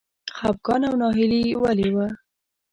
خپګان او ناهیلي ولې و؟